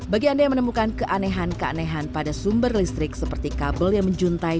bagi anda yang menemukan keanehan keanehan pada sumber listrik seperti kabel yang menjuntai